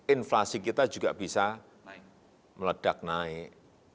inflasi kita juga bisa meledak naik